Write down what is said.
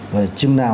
rồi chừng nào